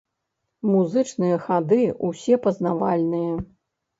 Музычныя хады ўсе пазнавальныя.